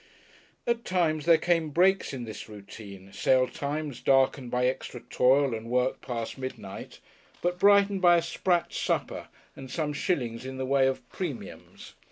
At times there came breaks in this routine sale times, darkened by extra toil and work past midnight, but brightened by a sprat supper and some shillings in the way of 'premiums.'